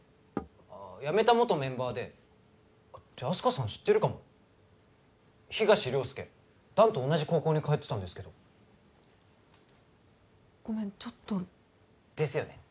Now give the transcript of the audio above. ああやめた元メンバーでってあす花さん知ってるかも東良介弾と同じ高校に通ってたんですけどごめんちょっとですよね